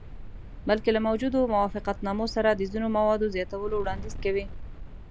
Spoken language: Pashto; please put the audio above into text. بلکې له موجودو موافقتنامو سره د ځینو موادو زیاتولو وړاندیز کوي.